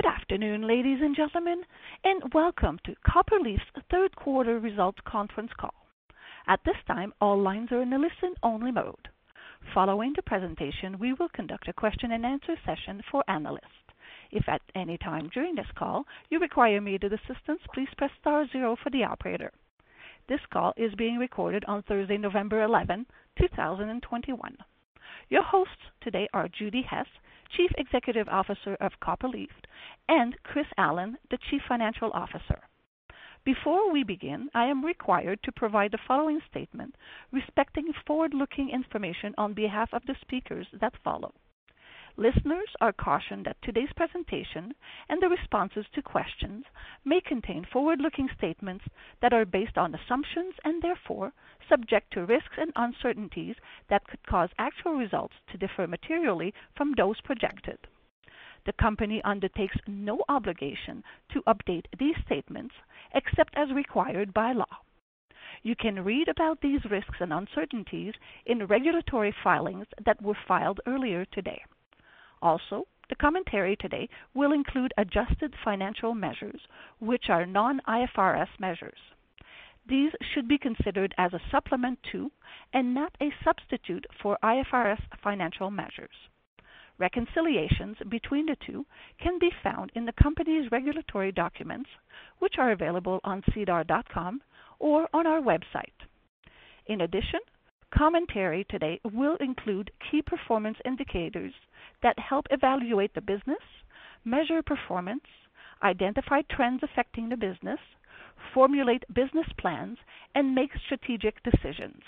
Good afternoon, ladies and gentlemen and welcome to Copperleaf's Third Quarter Results Conference Call. At this time, all lines are in a listen-only mode. Following the presentation, we will conduct a question-and-answer session for analysts. If at any time during this call you require immediate assistance, please press star zero for the operator. This call is being recorded on Thursday, November 11, 2021. Your hosts today are Judi Hess, Chief Executive Officer of Copperleaf, and Chris Allen, the Chief Financial Officer. Before we begin, I am required to provide the following statement respecting forward-looking information on behalf of the speakers that follow. Listeners are cautioned that today's presentation and the responses to questions may contain forward-looking statements that are based on assumptions and therefore subject to risks and uncertainties that could cause actual results to differ materially from those projected. The company undertakes no obligation to update these statements except as required by law. You can read about these risks and uncertainties in regulatory filings that were filed earlier today. Also, the commentary today will include adjusted financial measures, which are non-IFRS measures. These should be considered as a supplement to, and not a substitute for, IFRS financial measures. Reconciliations between the two can be found in the company's regulatory documents, which are available on sedar.com or on our website. In addition, commentary today will include key performance indicators that help evaluate the business, measure performance, identify trends affecting the business, formulate business plans, and make strategic decisions.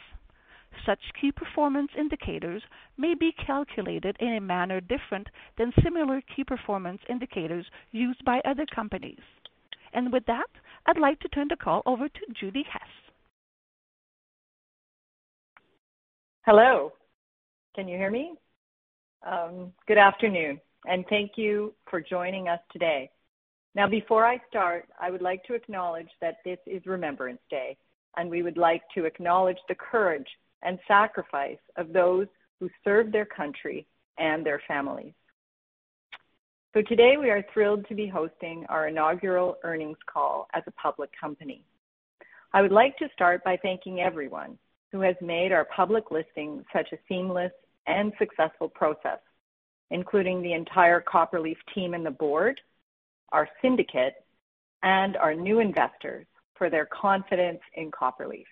Such key performance indicators may be calculated in a manner different than similar key performance indicators used by other companies. With that, I'd like to turn the call over to Judi Hess. Hello, can you hear me? Good afternoon and thank you for joining us today. Now before I start, I would like to acknowledge that this is Remembrance Day, and we would like to acknowledge the courage and sacrifice of those who served their country and their families. Today we are thrilled to be hosting our inaugural earnings call as a public company. I would like to start by thanking everyone who has made our public listing such a seamless and successful process, including the entire Copperleaf team and the board, our syndicate, and our new investors for their confidence in Copperleaf.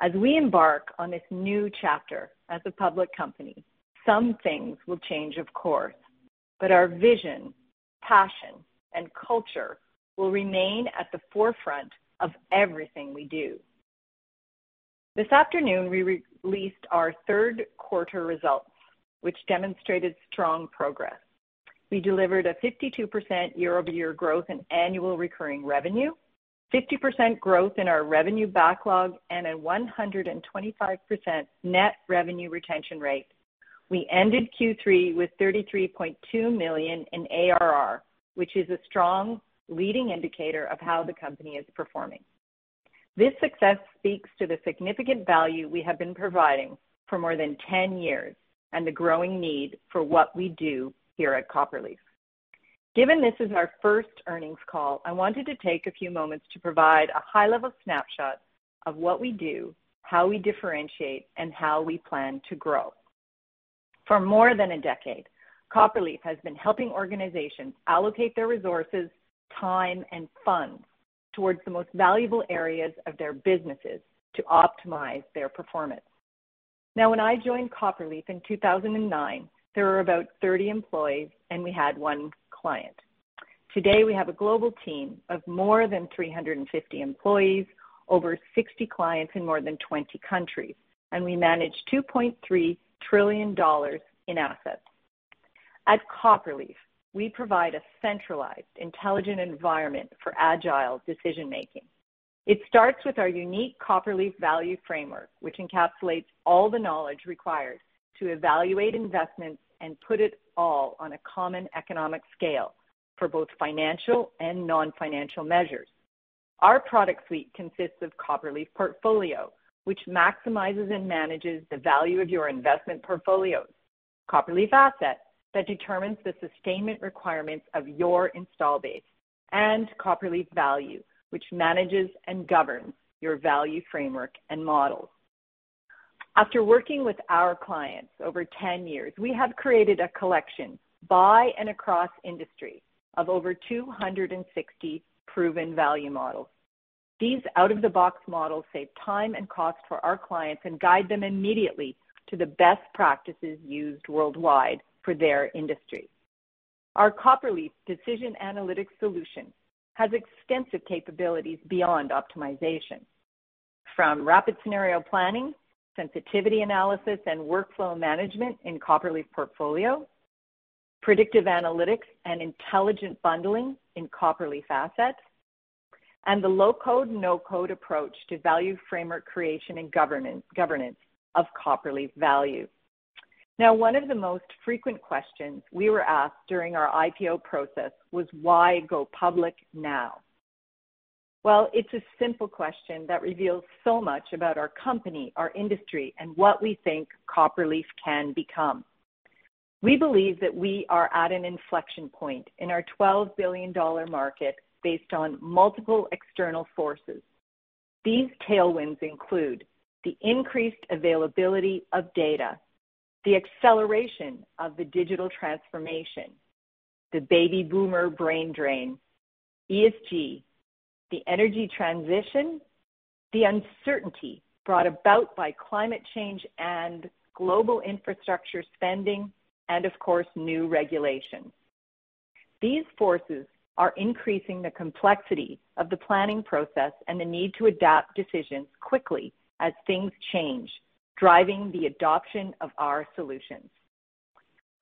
As we embark on this new chapter as a public company, some things will change, of course, but our vision, passion, and culture will remain at the forefront of everything we do. This afternoon we released our third quarter results, which demonstrated strong progress. We delivered a 52% year-over-year growth in annual recurring revenue, 50% growth in our revenue backlog, and a 125% net revenue retention rate. We ended Q3 with 33.2 million in ARR, which is a strong leading indicator of how the company is performing. This success speaks to the significant value we have been providing for more than 10 years and the growing need for what we do here at Copperleaf. Given this is our first earnings call, I wanted to take a few moments to provide a high-level snapshot of what we do, how we differentiate, and how we plan to grow. For more than a decade, Copperleaf has been helping organizations allocate their resources, time, and funds towards the most valuable areas of their businesses to optimize their performance. Now, when I joined Copperleaf in 2009, there were about 30 employees, and we had one client. Today, we have a global team of more than 350 employees, over 60 clients in more than 20 countries, and we manage $2.3 trillion in assets. At Copperleaf, we provide a centralized, intelligent environment for agile decision-making. It starts with our unique Copperleaf Value Framework, which encapsulates all the knowledge required to evaluate investments and put it all on a common economic scale for both financial and non-financial measures. Our product suite consists of Copperleaf Portfolio, which maximizes and manages the value of your investment portfolios, Copperleaf Assets that determines the sustainment requirements of your installed base, and Copperleaf Value, which manages and governs your value framework and models. After working with our clients over 10 years, we have created a collection by and across industries of over 260 proven value models. These out-of-the-box models save time and cost for our clients and guide them immediately to the best practices used worldwide for their industry. Our Copperleaf Decision Analytics solution has extensive capabilities beyond optimization. From rapid scenario planning, sensitivity analysis, and workflow management in Copperleaf Portfolio, predictive analytics and intelligent bundling in Copperleaf Assets, and the low-code/no-code approach to value framework creation and governance of Copperleaf Value. Now, one of the most frequent questions we were asked during our IPO process was, why go public now? Well, it's a simple question that reveals so much about our company, our industry, and what we think Copperleaf can become. We believe that we are at an inflection point in our $12 billion market based on multiple external forces. These tailwinds include the increased availability of data, the acceleration of the digital transformation, the baby boomer brain drain, ESG, the energy transition, the uncertainty brought about by climate change and global infrastructure spending, and of course, new regulations. These forces are increasing the complexity of the planning process and the need to adapt decisions quickly as things change, driving the adoption of our solutions.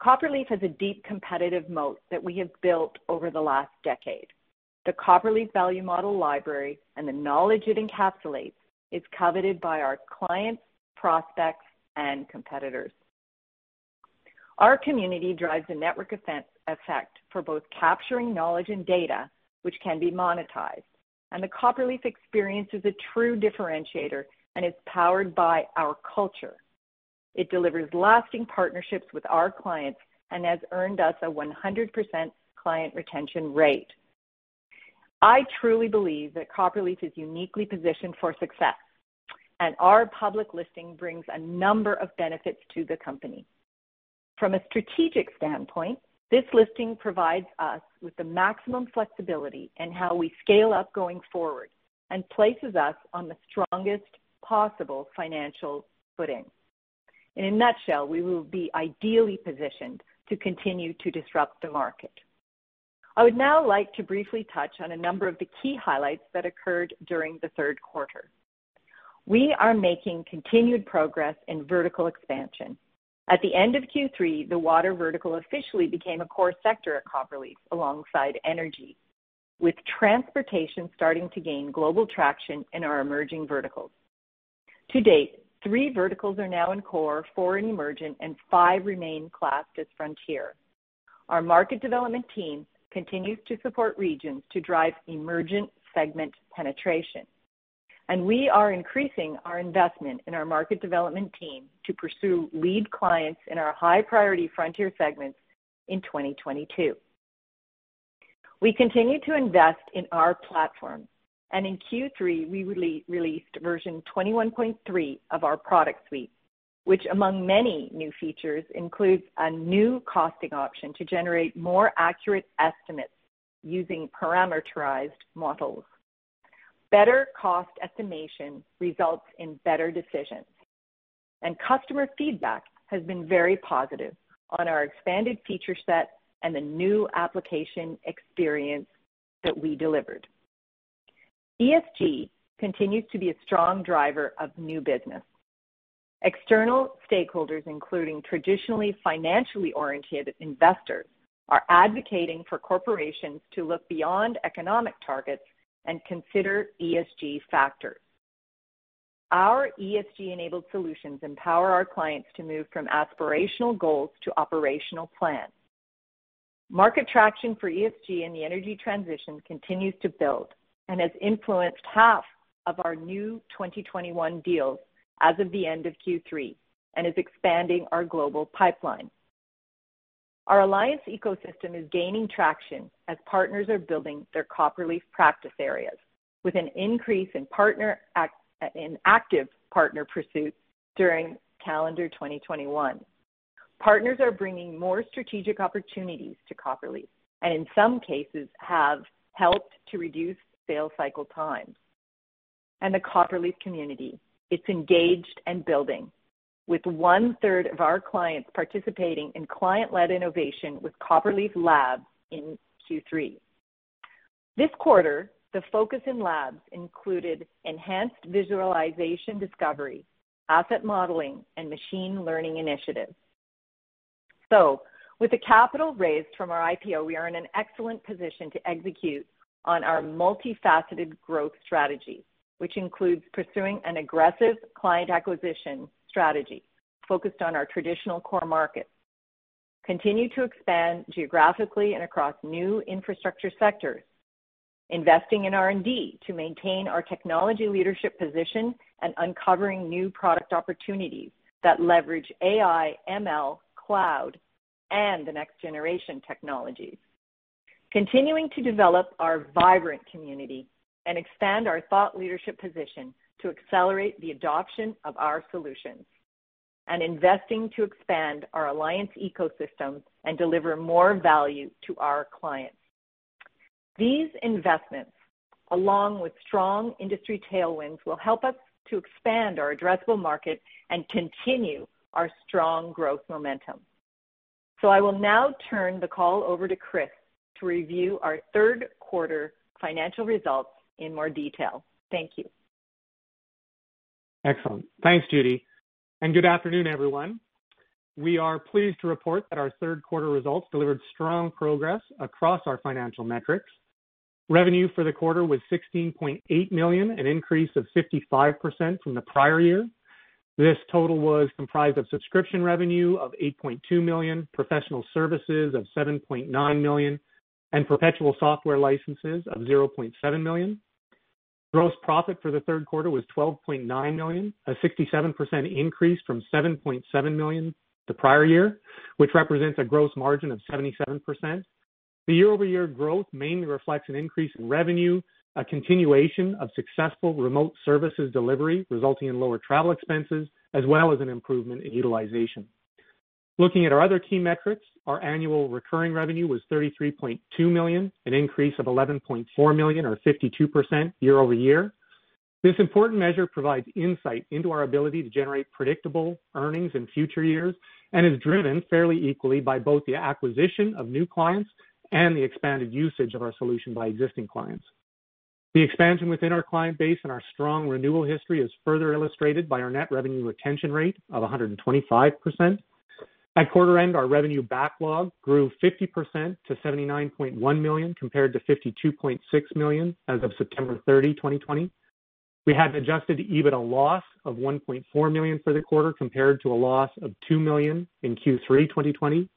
Copperleaf has a deep competitive moat that we have built over the last decade. The Copperleaf value model library and the knowledge it encapsulates is coveted by our clients, prospects, and competitors. Our community drives a network effect for both capturing knowledge and data, which can be monetized. The Copperleaf experience is a true differentiator and is powered by our culture. It delivers lasting partnerships with our clients and has earned us a 100% client retention rate. I truly believe that Copperleaf is uniquely positioned for success, and our public listing brings a number of benefits to the company. From a strategic standpoint, this listing provides us with the maximum flexibility in how we scale up going forward and places us on the strongest possible financial footing. In a nutshell, we will be ideally positioned to continue to disrupt the market. I would now like to briefly touch on a number of the key highlights that occurred during the third quarter. We are making continued progress in vertical expansion. At the end of Q3, the water vertical officially became a core sector at Copperleaf alongside energy, with transportation starting to gain global traction in our emerging verticals. To date, three verticals are now in core, four in emergent, and five remain classed as frontier. Our market development team continues to support regions to drive emergent segment penetration. We are increasing our investment in our market development team to pursue lead clients in our high-priority frontier segments in 2022. We continue to invest in our platform, and in Q3 we released version 21.3 of our product suite, which among many new features, includes a new costing option to generate more accurate estimates using parameterized models. Better cost estimation results in better decisions, and customer feedback has been very positive on our expanded feature set and the new application experience that we delivered. ESG continues to be a strong driver of new business. External stakeholders, including traditionally financially oriented investors, are advocating for corporations to look beyond economic targets and consider ESG factors. Our ESG-enabled solutions empower our clients to move from aspirational goals to operational plans. Market traction for ESG and the energy transition continues to build and has influenced half of our new 2021 deals as of the end of Q3 and is expanding our global pipeline. Our alliance ecosystem is gaining traction as partners are building their Copperleaf practice areas with an increase in active partner pursuits during calendar 2021. Partners are bringing more strategic opportunities to Copperleaf, and in some cases, have helped to reduce sales cycle times. The Copperleaf community is engaged and building, with 1/3 of our clients participating in client-led innovation with Copperleaf Labs in Q3. This quarter, the focus in labs included enhanced visualization discovery, asset modeling, and machine learning initiatives. With the capital raised from our IPO, we are in an excellent position to execute on our multifaceted growth strategy, which includes pursuing an aggressive client acquisition strategy focused on our traditional core markets. Continue to expand geographically and across new infrastructure sectors. Investing in R&D to maintain our technology leadership position and uncovering new product opportunities that leverage AI, ML, cloud, and the next-generation technologies. Continuing to develop our vibrant community and expand our thought leadership position to accelerate the adoption of our solutions. Investing to expand our alliance ecosystem and deliver more value to our clients. These investments, along with strong industry tailwinds, will help us to expand our addressable market and continue our strong growth momentum. I will now turn the call over to Chris to review our third quarter financial results in more detail. Thank you. Excellent. Thanks, Judi, and good afternoon, everyone. We are pleased to report that our third quarter results delivered strong progress across our financial metrics. Revenue for the quarter was CAD 16.8 million, an increase of 55% from the prior year. This total was comprised of subscription revenue of 8.2 million, professional services of 7.9 million, and perpetual software licenses of 0.7 million. Gross profit for the third quarter was 12.9 million, a 67% increase from 7.7 million the prior year, which represents a gross margin of 77%. The year-over-year growth mainly reflects an increase in revenue, a continuation of successful remote services delivery, resulting in lower travel expenses, as well as an improvement in utilization. Looking at our other key metrics, our annual recurring revenue was 33.2 million, an increase of 11.4 million or 52% year-over-year. This important measure provides insight into our ability to generate predictable earnings in future years and is driven fairly equally by both the acquisition of new clients and the expanded usage of our solution by existing clients. The expansion within our client base and our strong renewal history is further illustrated by our net revenue retention rate of 125%. At quarter end, our revenue backlog grew 50% to 79.1 million compared to 52.6 million as of September 30, 2020. We had Adjusted EBITDA loss of 1.4 million for the quarter compared to a loss of 2 million in Q3 2020.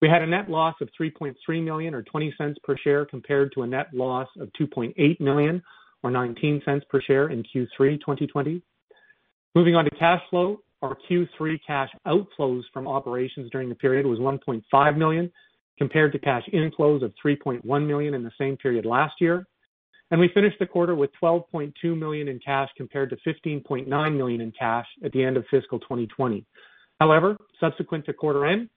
We had a net loss of 3.3 million or 0.20 per share compared to a net loss of 2.8 million or 0.19 per share in Q3 2020. Moving on to cash flow. Our Q3 cash outflows from operations during the period was 1.5 million compared to cash inflows of 3.1 million in the same period last year. We finished the quarter with 12.2 million in cash compared to 15.9 million in cash at the end of fiscal 2020. However, subsequent to quarter end,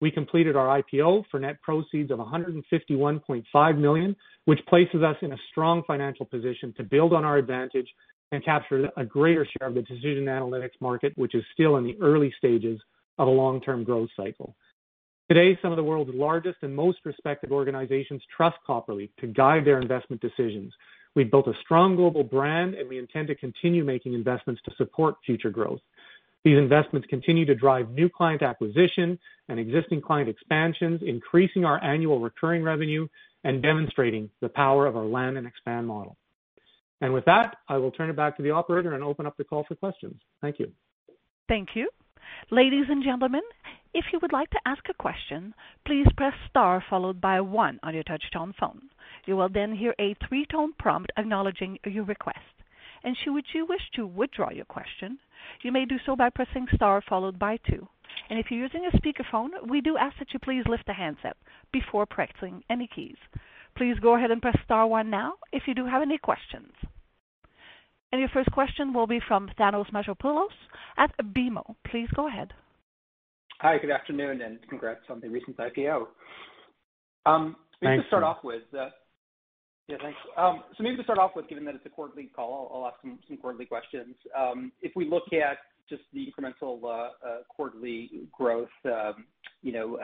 we completed our IPO for net proceeds of 151.5 million, which places us in a strong financial position to build on our advantage and capture a greater share of the decision analytics market, which is still in the early stages of a long-term growth cycle. Today, some of the world's largest and most respected organizations trust Copperleaf to guide their investment decisions. We've built a strong global brand, and we intend to continue making investments to support future growth. These investments continue to drive new client acquisition and existing client expansions, increasing our annual recurring revenue and demonstrating the power of our land and expand model. With that, I will turn it back to the operator and open up the call for questions. Thank you. Thank you. Ladies and gentlemen, if you would like to ask a question, please press star followed by one on your touchtone phone. You will then hear a three-tone prompt acknowledging your request. Should you wish to withdraw your question, you may do so by pressing star followed by two. If you're using a speakerphone, we do ask that you please lift the handset before pressing any keys. Please go ahead and press star one now if you do have any questions. Your first question will be from Thanos Moschopoulos at BMO. Please go ahead. Hi, good afternoon, and congrats on the recent IPO. Thank you. Maybe to start off with, yeah, thanks. Maybe to start off with, given that it's a quarterly call, I'll ask some quarterly questions. If we look at just the incremental quarterly growth, you know,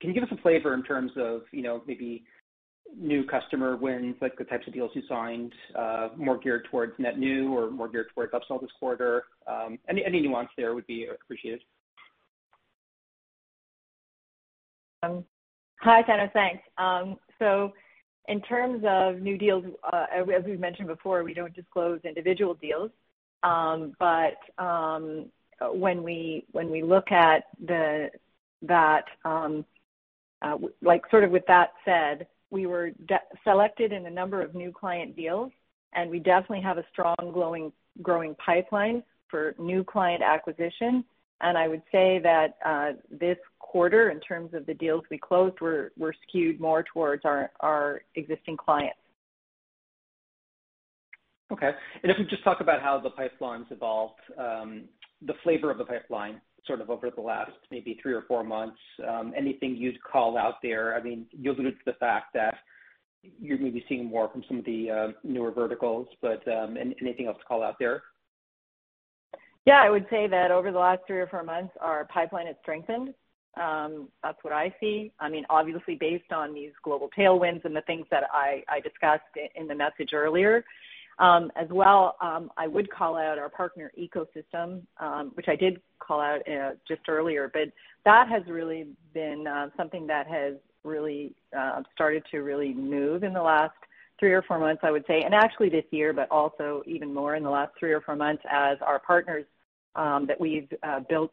can you give us a flavor in terms of, you know, maybe new customer wins, like the types of deals you signed, more geared towards net new or more geared towards upsell this quarter? Any nuance there would be appreciated. Hi, Thanos. Thanks. So in terms of new deals, as we've mentioned before, we don't disclose individual deals. When we look at that, like, sort of with that said, we were deselected in a number of new client deals, and we definitely have a strong growing pipeline for new client acquisition. I would say that this quarter, in terms of the deals we closed, we're skewed more towards our existing clients. Okay. If we just talk about how the pipeline's evolved, the flavor of the pipeline, sort of over the last maybe three or four months, anything you'd call out there? I mean, you alluded to the fact that you're maybe seeing more from some of the newer verticals, but anything else to call out there? Yeah, I would say that over the last three or four months, our pipeline has strengthened, that's what I see. I mean, obviously based on these global tailwinds and the things that I discussed in the message earlier. As well, I would call out our partner ecosystem, which I did call out just earlier, but that has really been something that has really started to really move in the last three or four months, I would say, and actually this year, but also even more in the last three or four months as our partners that we've built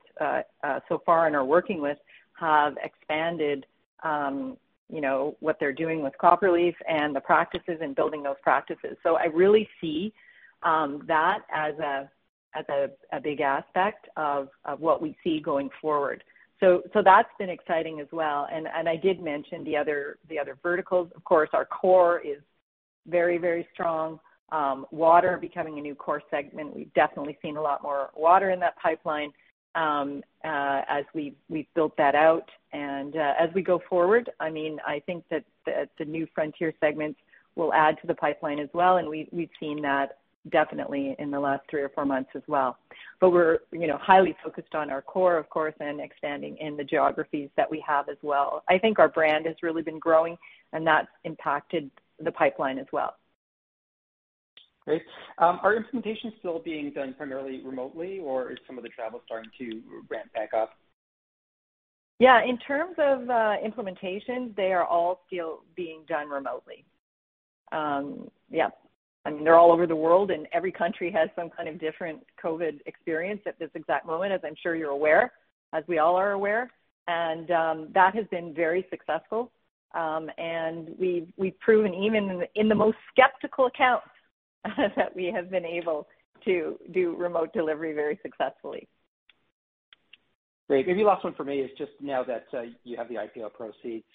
so far and are working with have expanded, you know, what they're doing with Copperleaf and the practices and building those practices. I really see that as a big aspect of what we see going forward. That's been exciting as well. I did mention the other verticals. Of course, our core is very strong. Water is becoming a new core segment. We've definitely seen a lot more water in that pipeline as we've built that out. As we go forward, I think that the new frontier segments will add to the pipeline as well. We've seen that definitely in the last three or four months as well. We're highly focused on our core, of course, and expanding in the geographies that we have as well. I think our brand has really been growing and that's impacted the pipeline as well. Great. Are implementations still being done primarily remotely, or is some of the travel starting to ramp back up? In terms of implementation, they are all still being done remotely. I mean, they're all over the world, and every country has some kind of different COVID experience at this exact moment, as I'm sure you're aware, as we all are aware. That has been very successful. We've proven even in the most skeptical accounts that we have been able to do remote delivery very successfully. Great. Maybe last one for me is just now that you have the IPO proceeds,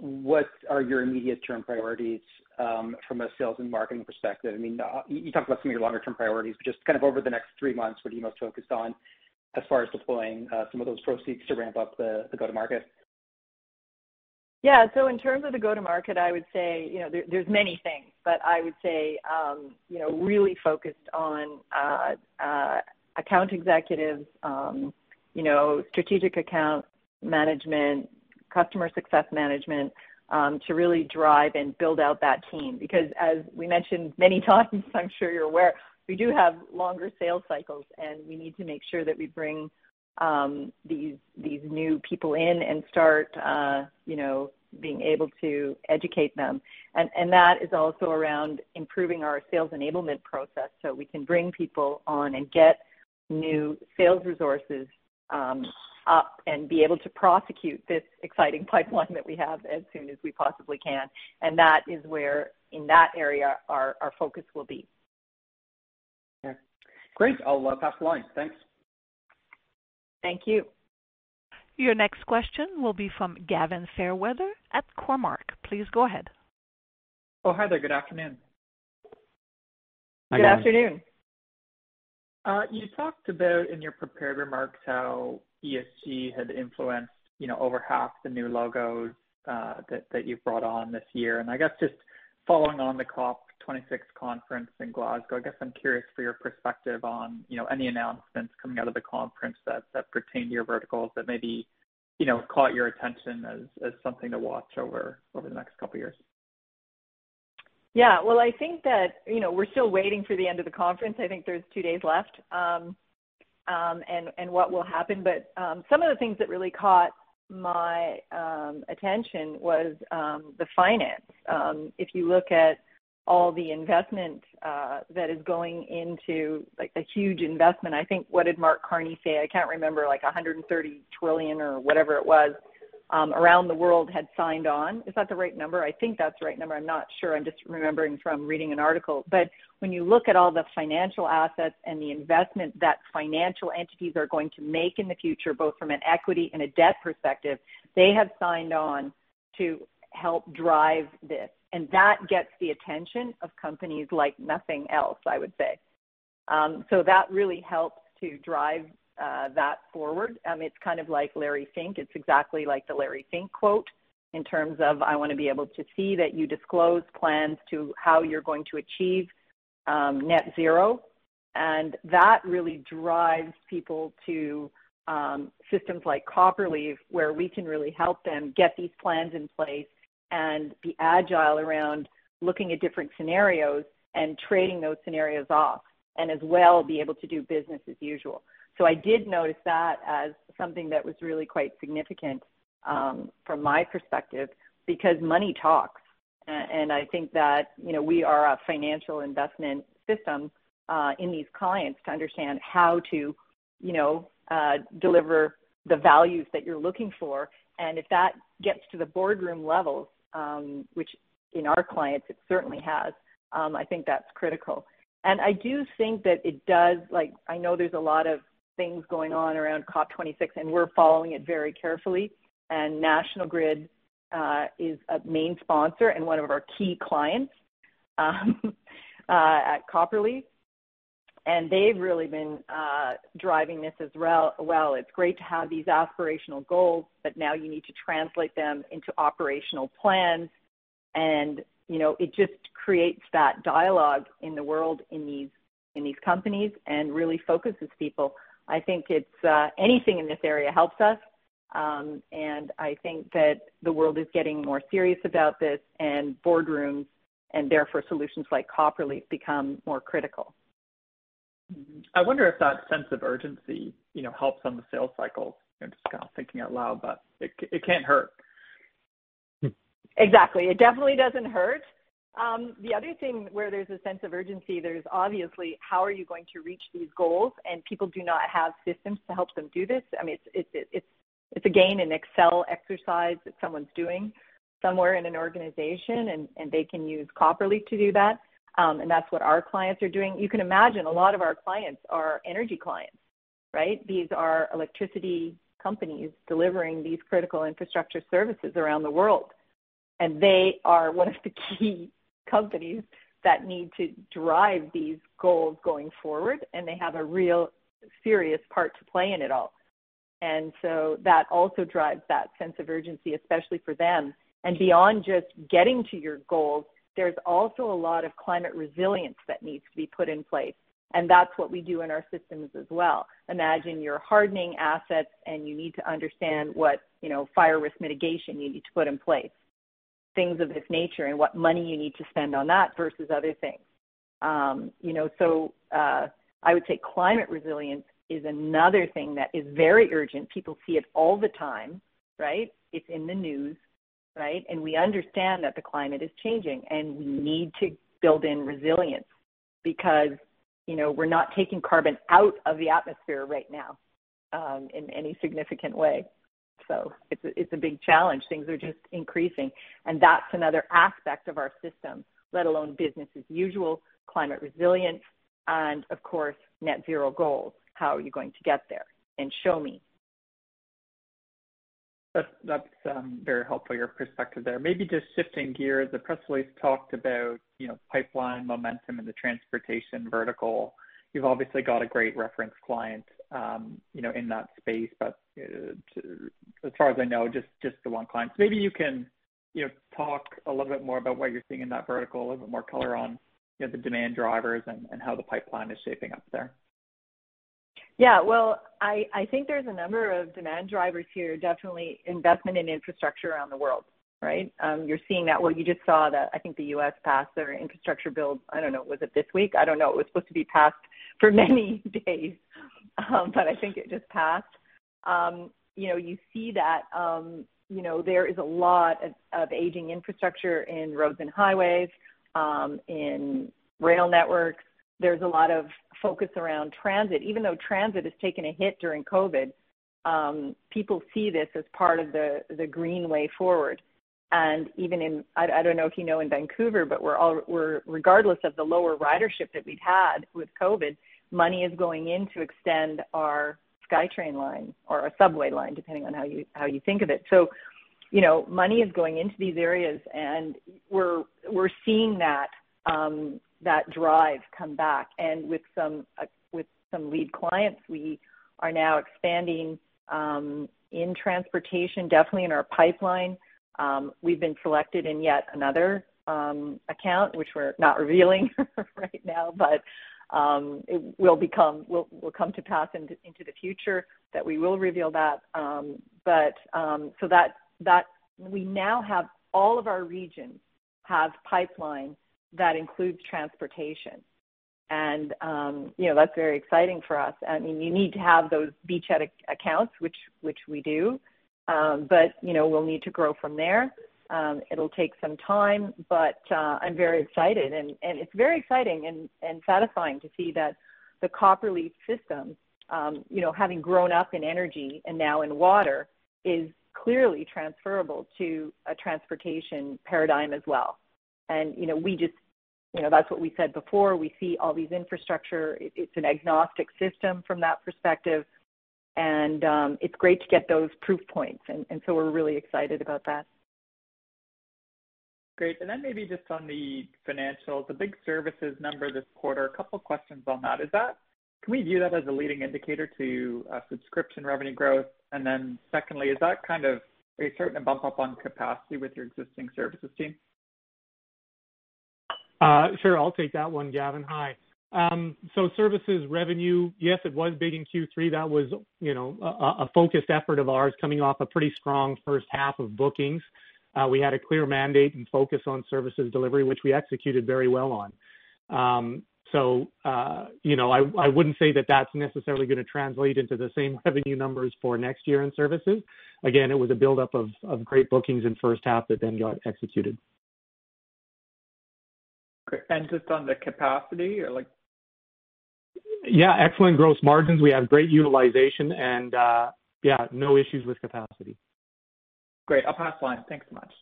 what are your immediate term priorities from a sales and marketing perspective? I mean, you talked about some of your longer term priorities, but just kind of over the next three months, what are you most focused on as far as deploying some of those proceeds to ramp up the go-to-market? Yeah. In terms of the go-to-market, I would say, you know, there's many things, but I would say, you know, really focused on account executives, you know, strategic account management, customer success management, to really drive and build out that team. Because as we mentioned many times, I'm sure you're aware, we do have longer sales cycles, and we need to make sure that we bring these new people in and start, you know, being able to educate them. That is also around improving our sales enablement process, so we can bring people on and get new sales resources up and be able to prosecute this exciting pipeline that we have as soon as we possibly can. That is where in that area our focus will be. Okay. Great. I'll pass the line. Thanks. Thank you. Your next question will be from Gavin Fairweather at Cormark. Please go ahead. Oh, hi there. Good afternoon. Good afternoon. You talked about in your prepared remarks how ESG had influenced, you know, over half the new logos that you've brought on this year. I guess just following on the COP26 conference in Glasgow, I guess I'm curious for your perspective on, you know, any announcements coming out of the conference that pertain to your verticals that maybe, you know, caught your attention as something to watch over the next couple years. Yeah. Well, I think that, you know, we're still waiting for the end of the conference. I think there's two days left, and what will happen. Some of the things that really caught my attention was the finance. If you look at all the investment that is going into, like the huge investment, I think, what did Mark Carney say? I can't remember, like $130 trillion or whatever it was, around the world had signed on. Is that the right number? I think that's the right number. I'm not sure. I'm just remembering from reading an article. When you look at all the financial assets and the investment that financial entities are going to make in the future, both from an equity and a debt perspective, they have signed on to help drive this. That gets the attention of companies like nothing else, I would say. That really helps to drive that forward. It's kind of like Larry Fink. It's exactly like the Larry Fink quote in terms of, I wanna be able to see that you disclose plans to how you're going to achieve net zero, and that really drives people to systems like Copperleaf, where we can really help them get these plans in place and be agile around looking at different scenarios and trading those scenarios off, and as well be able to do business as usual. I did notice that as something that was really quite significant from my perspective, because money talks. I think that, you know, we are a financial investment system in these clients to understand how to, you know, deliver the values that you're looking for. If that gets to the boardroom level, which in our clients it certainly has, I think that's critical. I do think that it does. Like, I know there's a lot of things going on around COP26, and we're following it very carefully. National Grid is a main sponsor and one of our key clients at Copperleaf, and they've really been driving this really well. It's great to have these aspirational goals, but now you need to translate them into operational plans. You know, it just creates that dialogue in the world in these companies and really focuses people. I think anything in this area helps us. I think that the world is getting more serious about this in boardrooms, and therefore solutions like Copperleaf become more critical. I wonder if that sense of urgency, you know, helps on the sales cycle. I'm just kind of thinking out loud, but it can't hurt. Exactly. It definitely doesn't hurt. The other thing where there's a sense of urgency, there's obviously how are you going to reach these goals? People do not have systems to help them do this. I mean, it's again an Excel exercise that someone's doing somewhere in an organization, and they can use Copperleaf to do that. That's what our clients are doing. You can imagine a lot of our clients are energy clients, right? These are electricity companies delivering these critical infrastructure services around the world, and they are one of the key companies that need to drive these goals going forward, and they have a real serious part to play in it all, so that also drives that sense of urgency, especially for them. Beyond just getting to your goals, there's also a lot of climate resilience that needs to be put in place, and that's what we do in our systems as well. Imagine you're hardening assets and you need to understand what, you know, fire risk mitigation you need to put in place. Things of this nature and what money you need to spend on that versus other things. You know, I would say climate resilience is another thing that is very urgent. People see it all the time, right? It's in the news, right? We understand that the climate is changing, and we need to build in resilience because, you know, we're not taking carbon out of the atmosphere right now, in any significant way. It's a big challenge. Things are just increasing, and that's another aspect of our system, let alone business as usual, climate resilience, and of course, net zero goals. How are you going to get there? Show me. That's very helpful, your perspective there. Maybe just shifting gears the press release talked about, you know, pipeline momentum in the transportation vertical. You've obviously got a great reference client, you know, in that space, but as far as I know, just the one client. Maybe you can, you know, talk a little bit more about what you're seeing in that vertical, a little bit more color on, you know, the demand drivers and how the pipeline is shaping up there? Yeah. Well, I think there's a number of demand drivers here, definitely investment in infrastructure around the world, right? You're seeing that. Well, you just saw that, I think, the U.S. passed their infrastructure bill, I don't know, was it this week? I don't know. It was supposed to be passed for many days, but I think it just passed. You know, you see that, you know, there is a lot of aging infrastructure in roads and highways, in rail networks. There's a lot of focus around transit. Even though transit has taken a hit during COVID, people see this as part of the green way forward. I don't know if you know, in Vancouver, but regardless of the lower ridership that we've had with COVID, money is going in to extend our SkyTrain line or our subway line, depending on how you think of it. You know, money is going into these areas, and we're seeing that drive come back. With some lead clients, we are now expanding in transportation, definitely in our pipeline. We've been selected in yet another account, which we're not revealing right now, but it will come to pass into the future that we will reveal that. We now have all of our regions have pipelines that includes transportation. You know, that's very exciting for us. I mean, you need to have those beachhead accounts, which we do, but, you know, we'll need to grow from there. It'll take some time, but I'm very excited and it's very exciting and satisfying to see that the Copperleaf system, you know, having grown up in energy and now in water, is clearly transferable to a transportation paradigm as well. You know, that's what we said before. We see all these infrastructure. It's an agnostic system from that perspective. It's great to get those proof points, and so we're really excited about that. Great. Maybe just on the financials, the big services number this quarter, a couple of questions on that. Can we view that as a leading indicator to subscription revenue growth? Secondly, are you starting to bump up on capacity with your existing services team? Sure. I'll take that one, Gavin. Hi. Services revenue, yes, it was big in Q3. That was, you know, a focused effort of ours coming off a pretty strong first half of bookings. We had a clear mandate and focus on services delivery, which we executed very well on. You know, I wouldn't say that that's necessarily gonna translate into the same revenue numbers for next year in services. Again, it was a buildup of great bookings in first half that then got executed. Great. Just on the capacity or like? Yeah, excellent gross margins. We have great utilization and, yeah, no issues with capacity. Great. I'll pass the line. Thanks so much.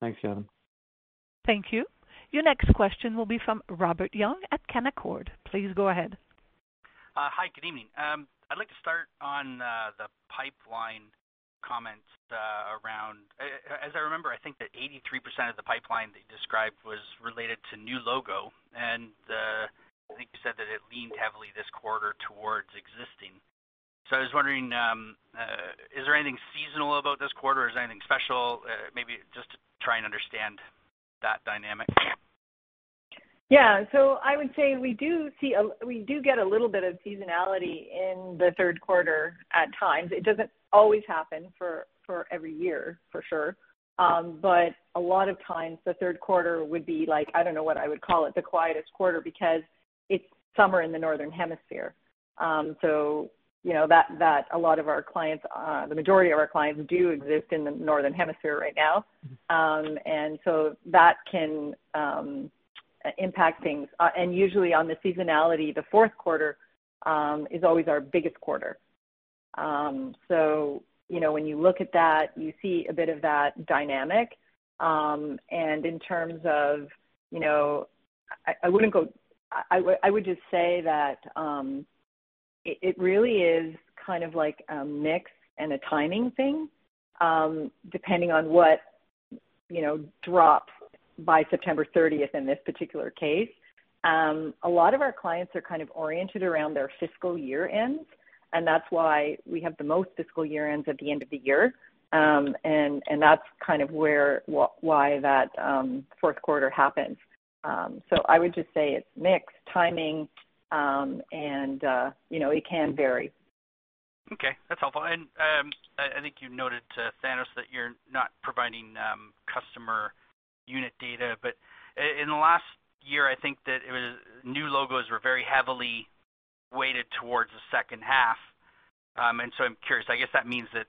Thanks, Gavin. Thank you. Your next question will be from Robert Young at Canaccord. Please go ahead. Hi, good evening. I'd like to start on the pipeline comment around as I remember, I think that 83% of the pipeline that you described was related to new logo, and I think you said that it leaned heavily this quarter towards existing. I was wondering, is there anything seasonal about this quarter? Is there anything special, maybe just to try and understand that dynamic? I would say we do get a little bit of seasonality in the third quarter at times. It doesn't always happen for every year, for sure. A lot of times the third quarter would be like, I don't know what I would call it, the quietest quarter because it's summer in the Northern Hemisphere. You know, that a lot of our clients, the majority of our clients do exist in the Northern Hemisphere right now. That can impact things. Usually on the seasonality, the fourth quarter is always our biggest quarter. You know, when you look at that, you see a bit of that dynamic. In terms of, you know, I wouldn't go. I would just say that it really is kind of like a mix and a timing thing, depending on what you know drops by September 30 in this particular case. A lot of our clients are kind of oriented around their fiscal year-ends, and that's why we have the most fiscal year-ends at the end of the year. That's kind of where why that fourth quarter happens. I would just say it's mix, timing, and you know it can vary. Okay, that's helpful. I think you noted to Thanos that you're not providing customer unit data. In the last year, I think new logos were very heavily weighted towards the second half. I'm curious, I guess that means that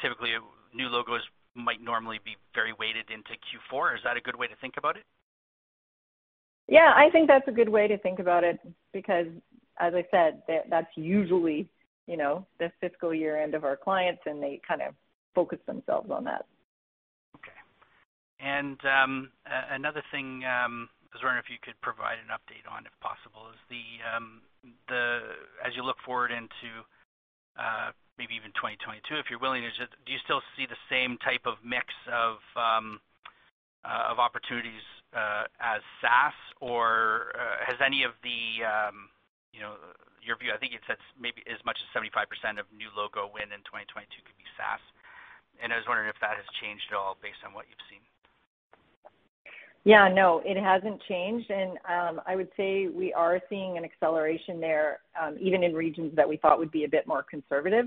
typically new logos might normally be very weighted into Q4. Is that a good way to think about it? Yeah. I think that's a good way to think about it because, as I said, that's usually, you know, the fiscal year-end of our clients, and they kind of focus themselves on that. Okay. Another thing I was wondering if you could provide an update on, if possible. As you look forward into maybe even 2022, if you're willing, do you still see the same type of mix of opportunities as SaaS or has any of the you know. Your view, I think it said maybe as much as 75% of new logo win in 2022 could be SaaS, and I was wondering if that has changed at all based on what you've seen? Yeah, no, it hasn't changed. I would say we are seeing an acceleration there, even in regions that we thought would be a bit more conservative.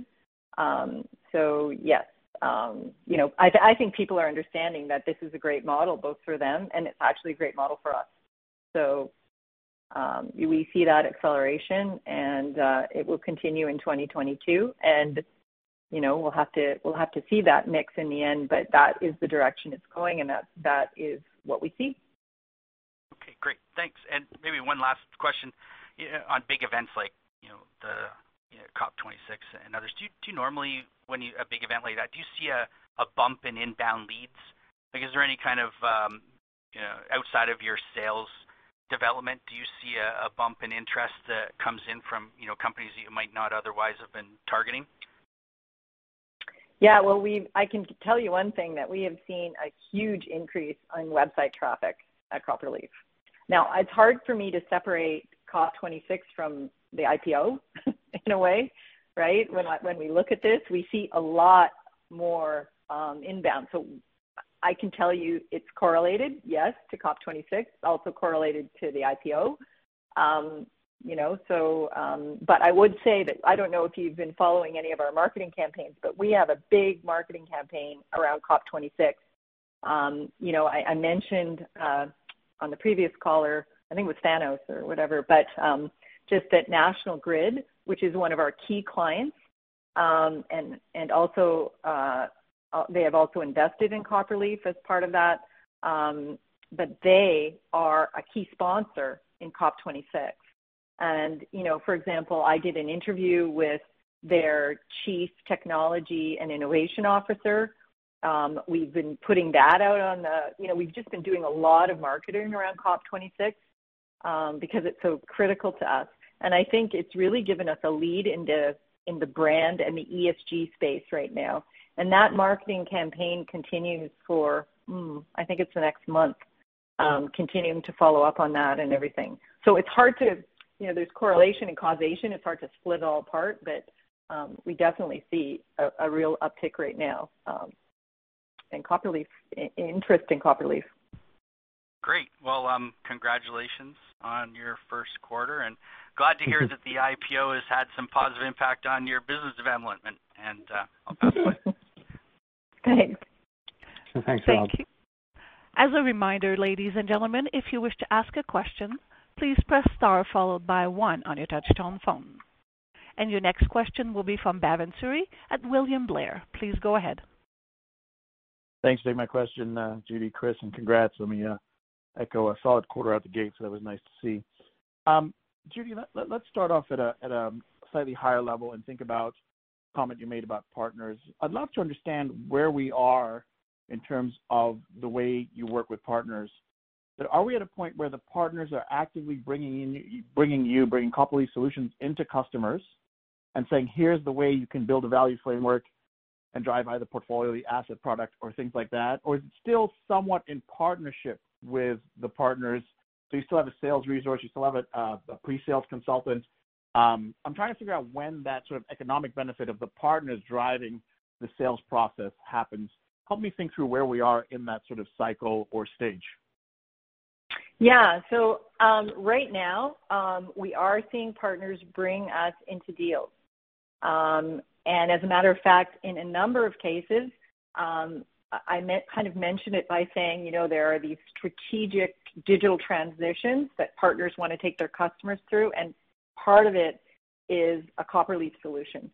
Yes you know, I think people are understanding that this is a great model, both for them, and it's actually a great model for us. We see that acceleration, and it will continue in 2022. You know, we'll have to see that mix in the end, but that is the direction it's going and that is what we see. Okay, great. Thanks. Maybe one last question. On big events like COP26 and others, do you normally see a bump in inbound leads when a big event like that? Like, outside of your sales development, do you see a bump in interest that comes in from companies that you might not otherwise have been targeting? Yeah. Well, I can tell you one thing, that we have seen a huge increase on website traffic at Copperleaf. Now, it's hard for me to separate COP26 from the IPO in a way, right? When we look at this, we see a lot more inbound. I can tell you it's correlated, yes, to COP26, also correlated to the IPO. You know, I would say that I don't know if you've been following any of our marketing campaigns, but we have a big marketing campaign around COP26. You know, I mentioned on the previous call, I think it was Thanos or whatever, but just that National Grid, which is one of our key clients, and also they have also invested in Copperleaf as part of that. They are a key sponsor in COP26. You know, for example, I did an interview with their chief technology and innovation officer. You know, we've just been doing a lot of marketing around COP26, because it's so critical to us. I think it's really given us a lead in the brand and the ESG space right now. That marketing campaign continues for, I think it's the next month, continuing to follow up on that and everything. You know, there's correlation and causation. It's hard to split it all apart. We definitely see a real uptick right now, in Copperleaf, in interest in Copperleaf. Great. Well, congratulations on your first quarter, and glad to hear that the IPO has had some positive impact on your business development. I'll pass it on. Thanks. Thanks, Rob. Thank you. As a reminder, ladies and gentlemen, if you wish to ask a question, please press star followed by one on your touchtone phone. Your next question will be from Bhavan Suri at William Blair. Please go ahead. Thanks for taking my question, Judi, Chris, and congrats. Let me echo a solid quarter out the gate. That was nice to see. Judi, let's start off at a slightly higher level and think about the comment you made about partners. I'd love to understand where we are in terms of the way you work with partners. Are we at a point where the partners are actively bringing Copperleaf solutions into customers and saying, "Here's the way you can build a value framework and drive either portfolio, the asset product or things like that"? Or is it still somewhat in partnership with the partners, so you still have a sales resource, you still have a pre-sales consultant? I'm trying to figure out when that sort of economic benefit of the partners driving the sales process happens. Help me think through where we are in that sort of cycle or stage. Yeah, right now, we are seeing partners bring us into deals. As a matter of fact, in a number of cases, I kind of mentioned it by saying, you know, there are these strategic digital transitions that partners wanna take their customers through, and part of it is a Copperleaf solution.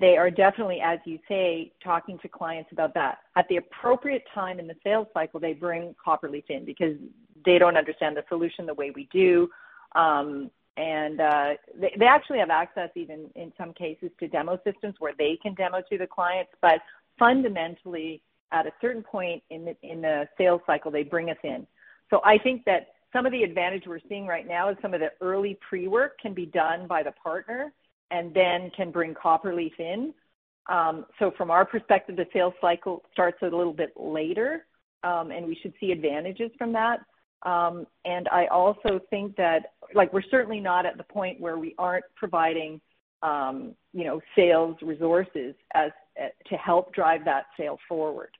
They are definitely, as you say, talking to clients about that. At the appropriate time in the sales cycle, they bring Copperleaf in because they don't understand the solution the way we do. They actually have access even, in some cases, to demo systems where they can demo to the clients. Fundamentally, at a certain point in the sales cycle, they bring us in. I think that some of the advantage we're seeing right now is some of the early pre-work can be done by the partner and then can bring Copperleaf in. From our perspective, the sales cycle starts a little bit later, and we should see advantages from that. I also think that like, we're certainly not at the point where we aren't providing, you know, sales resources as to help drive that sale forward.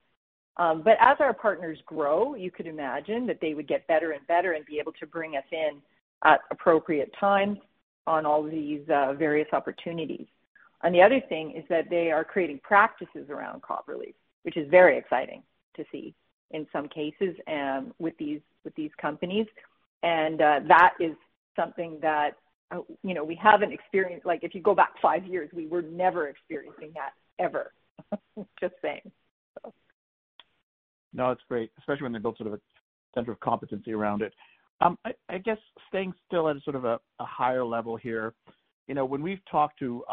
As our partners grow, you could imagine that they would get better and better and be able to bring us in at appropriate times on all these various opportunities. The other thing is that they are creating practices around Copperleaf, which is very exciting to see in some cases, with these companies. That is something that, you know, we haven't experienced. Like, if you go back five years, we were never experiencing that, ever. Just saying, so. No, it's great, especially when they build sort of a center of competency around it. I guess staying still at sort of a higher level here, you know, when we've talked to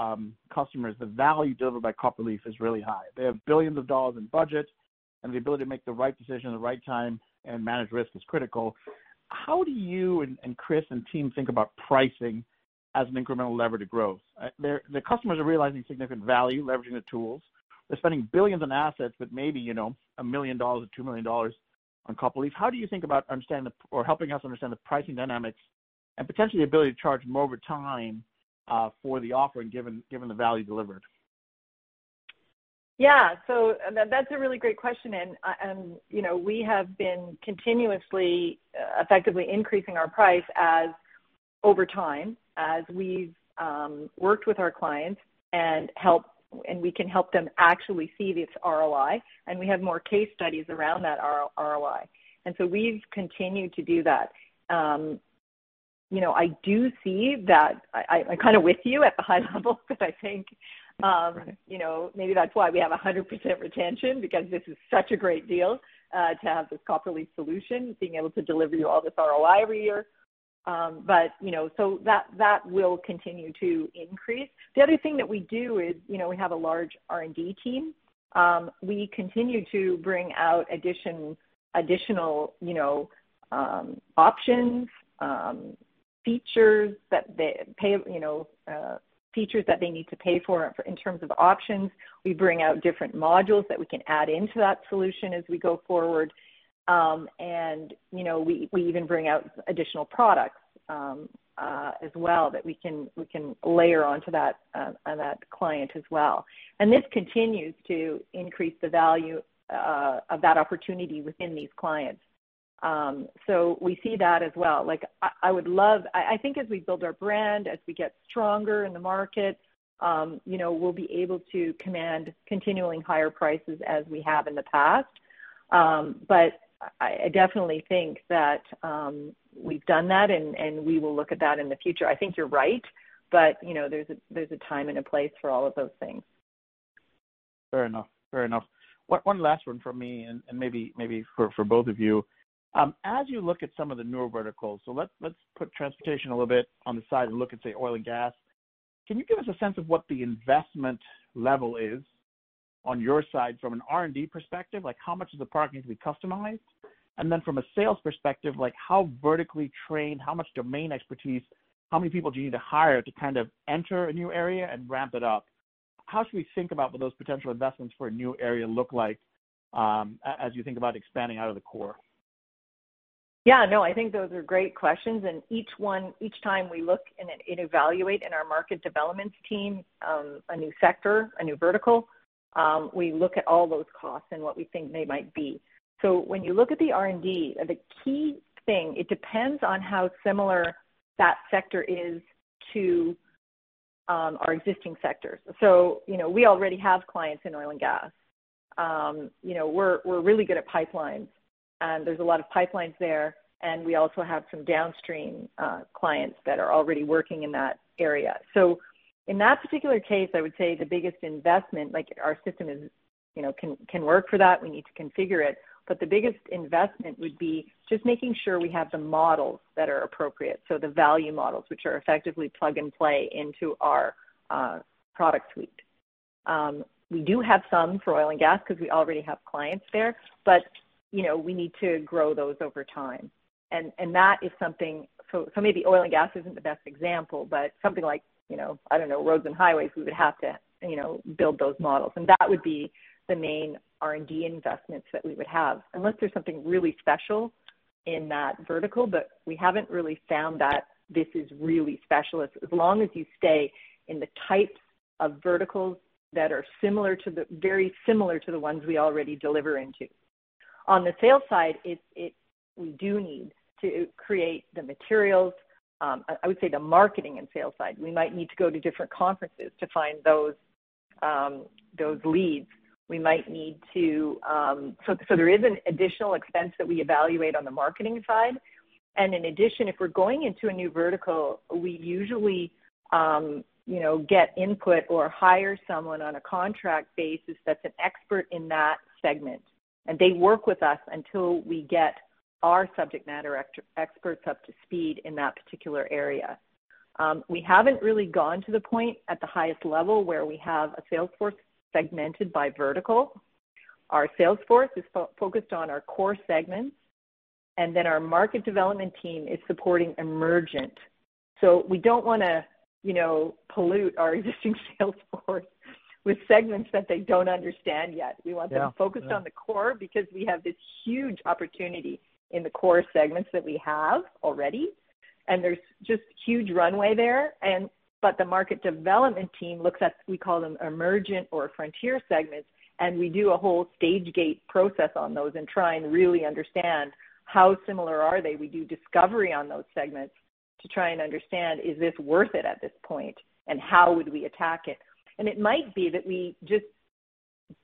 customers, the value delivered by Copperleaf is really high. They have billions of dollars in budgets, and the ability to make the right decision at the right time and manage risk is critical. How do you and Chris and team think about pricing as an incremental lever to growth? The customers are realizing significant value leveraging the tools. They're spending billions on assets, but maybe, you know, 1 million dollars or 2 million dollars on Copperleaf. How do you think about understanding or helping us understand the pricing dynamics and potentially ability to charge more over time for the offering given the value delivered? Yeah. That's a really great question. You know, we have been continuously effectively increasing our pricing over time, as we've worked with our clients and we can help them actually see this ROI, and we have more case studies around that ROI. We've continued to do that. You know, I do see that, I'm kind of with you at the high level because I think, you know, maybe that's why we have 100% retention because this is such a great deal to have this Copperleaf solution being able to deliver you all this ROI every year. You know, that will continue to increase. The other thing that we do is, you know, we have a large R&D team. We continue to bring out additional, you know, options, features that they pay, you know, features that they need to pay for in terms of options. We bring out different modules that we can add into that solution as we go forward. You know, we even bring out additional products as well that we can layer onto that on that client as well. This continues to increase the value of that opportunity within these clients. We see that as well. Like, I would love. I think as we build our brand, as we get stronger in the market, you know, we'll be able to command continuing higher prices as we have in the past. I definitely think that we've done that and we will look at that in the future. I think you're right, but you know, there's a time and a place for all of those things. Fair enough. One last one from me and maybe for both of you. As you look at some of the newer verticals, so let's put transportation a little bit on the side and look at, say, oil and gas. Can you give us a sense of what the investment level is on your side from an R&D perspective? Like, how much of the product needs to be customized? Then from a sales perspective, like how vertically trained, how much domain expertise, how many people do you need to hire to kind of enter a new area and ramp it up? How should we think about what those potential investments for a new area look like, as you think about expanding out of the core? Yeah. No, I think those are great questions. Each time we look and evaluate in our market developments team, a new sector, a new vertical, we look at all those costs and what we think they might be. When you look at the R&D, the key thing, it depends on how similar that sector is to our existing sectors. You know, we already have clients in oil and gas. You know, we're really good at pipelines, and there's a lot of pipelines there. We also have some downstream clients that are already working in that area. In that particular case, I would say the biggest investment, like our system is, you know, can work for that. We need to configure it, but the biggest investment would be just making sure we have the models that are appropriate, so the value models which are effectively plug and play into our product suite. We do have some for oil and gas because we already have clients there. You know, we need to grow those over time, and that is something. Maybe oil and gas isn't the best example, but something like, you know, I don't know, roads and highways, we would have to, you know, build those models, and that would be the main R&D investments that we would have, unless there's something really special in that vertical. We haven't really found that this is really special as long as you stay in the types of verticals that are very similar to the ones we already deliver into. On the sales side, we do need to create the materials, I would say the marketing and sales side. We might need to go to different conferences to find those leads. There is an additional expense that we evaluate on the marketing side. In addition, if we're going into a new vertical, we usually you know get input or hire someone on a contract basis that's an expert in that segment, and they work with us until we get our subject matter experts up to speed in that particular area. We haven't really gotten to the point at the highest level where we have a sales force segmented by vertical. Our sales force is focused on our core segments, and then our market development team is supporting emerging. We don't wanna, you know, pollute our existing sales force with segments that they don't understand yet. Yeah. Yeah. We want them focused on the core because we have this huge opportunity in the core segments that we have already. There's just huge runway there, but the market development team looks at, we call them emergent or frontier segments, and we do a whole Stage-Gate process on those and try and really understand how similar are they. We do discovery on those segments to try and understand is this worth it at this point, and how would we attack it? It might be that we just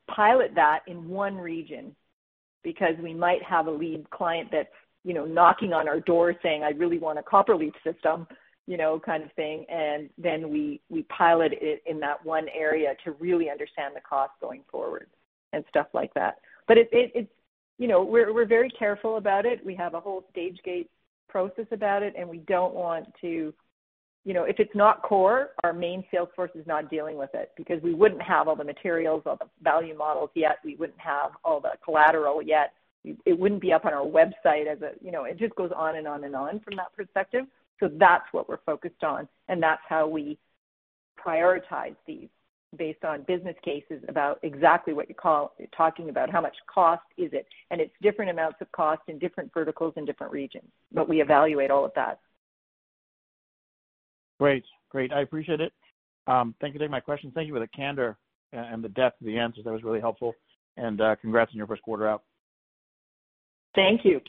pilot that in one region because we might have a lead client that's, you know, knocking on our door saying, "I really want a Copperleaf system," you know, kind of thing. Then we pilot it in that one area to really understand the cost going forward and stuff like that. It's, you know, we're very careful about it. We have a whole Stage-Gate process about it, and we don't want to. You know, if it's not core, our main sales force is not dealing with it because we wouldn't have all the materials, all the value models yet. We wouldn't have all the collateral yet. It wouldn't be up on our website as a. You know, it just goes on and on and on from that perspective. That's what we're focused on, and that's how we prioritize these based on business cases about exactly what you call, you're talking about, how much cost is it? It's different amounts of cost in different verticals in different regions. We evaluate all of that. Great. I appreciate it. Thank you for taking my question. Thank you for the candor and the depth of the answers. That was really helpful. Congrats on your first quarter out. Thank you.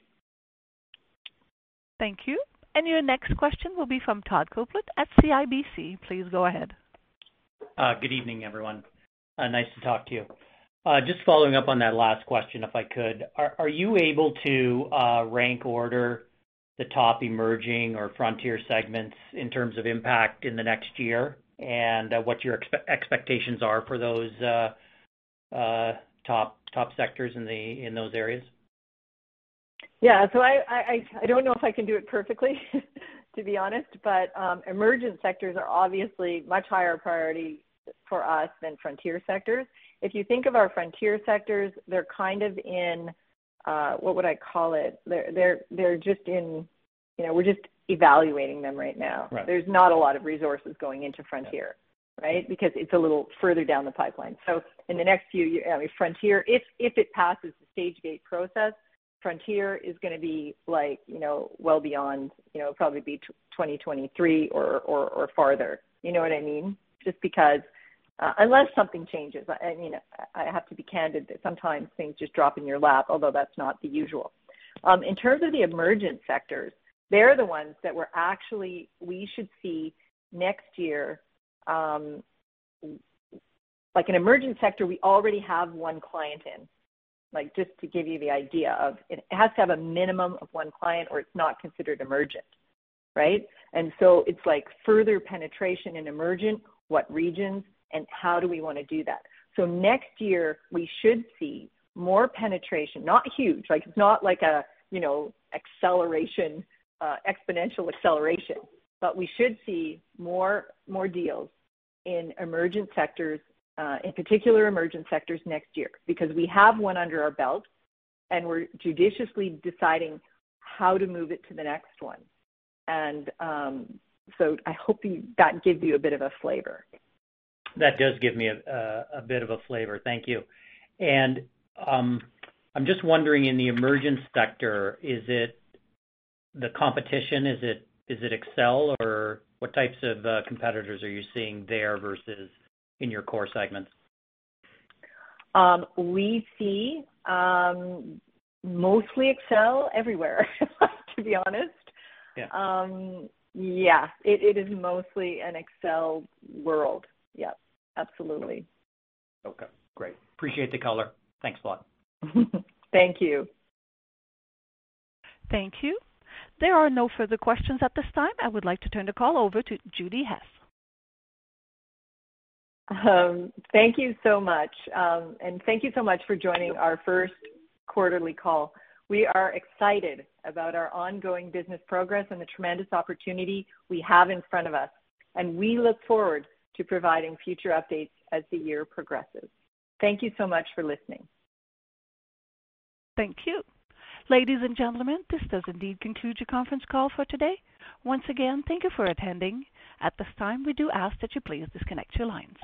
Thank you. Your next question will be from Todd Coupland at CIBC. Please go ahead. Good evening, everyone. Nice to talk to you. Just following up on that last question, if I could. Are you able to rank order the top emerging or frontier segments in terms of impact in the next year? What your expectations are for those top sectors in those areas? Yeah. I don't know if I can do it perfectly, to be honest, but emergent sectors are obviously much higher priority for us than frontier sectors. If you think of our frontier sectors, they're kind of in what would I call it? They're just in, you know, we're just evaluating them right now. Right. There's not a lot of resources going into frontier, right? Because it's a little further down the pipeline. I mean, frontier, if it passes the Stage-Gate process, frontier is gonna be like, you know, well beyond, you know, probably be 2023 or farther. You know what I mean? Just because, unless something changes. I mean, I have to be candid that sometimes things just drop in your lap, although that's not the usual. In terms of the emergent sectors, they're the ones that we should see next year. Like an emergent sector, we already have one client in. Like, just to give you the idea, it has to have a minimum of one client, or it's not considered emergent, right? It's like further penetration in emerging, what regions and how do we wanna do that? Next year we should see more penetration. Not huge. Like, it's not like a, you know, acceleration, exponential acceleration, but we should see more deals in emerging sectors, in particular emerging sectors next year, because we have one under our belt, and we're judiciously deciding how to move it to the next one. I hope that gives you a bit of a flavor. That does give me a bit of a flavor. Thank you. I'm just wondering in the emergent sector, is it the competition? Is it Excel or what types of competitors are you seeing there versus in your core segments? We see mostly Excel everywhere, to be honest. Yeah. Yes. It is mostly an Excel word. Yep. Absolutely. Okay. Great. Appreciate the color. Thanks a lot. Thank you. Thank you. There are no further questions at this time. I would like to turn the call over to Judi Hess. Thank you so much. Thank you so much for joining our first quarterly call. We are excited about our ongoing business progress and the tremendous opportunity we have in front of us, and we look forward to providing future updates as the year progresses. Thank you so much for listening. Thank you. Ladies and gentlemen, this does indeed conclude your conference call for today. Once again, thank you for attending. At this time, we do ask that you please disconnect your lines.